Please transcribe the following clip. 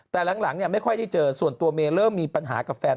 แต่หลังไม่ค่อยได้เจอส่วนตัวเมย์เริ่มมีปัญหากับแฟน